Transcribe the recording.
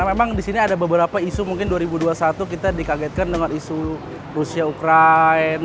karena memang di sini ada beberapa isu mungkin dua ribu dua puluh satu kita dikagetkan dengan isu rusia ukraine